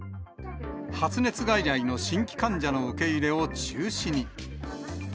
発熱外来の新規患者の受け入れを中止に。